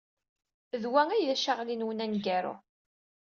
D wa ay d acaɣli-nwen aneggaru.